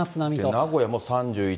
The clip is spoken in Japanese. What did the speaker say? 名古屋も３１．５度。